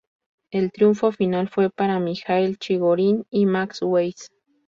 El triunfo final fue para Mijaíl Chigorin y Max Weiss.